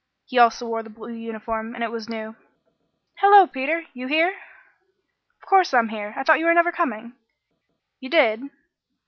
He also wore the blue uniform, and it was new. "Hallo, Peter! You here?" "Of course I'm here. I thought you were never coming." "You did?"